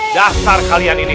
dasar kalian ini